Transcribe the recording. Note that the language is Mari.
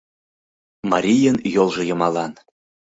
Марийын йолжо йымалан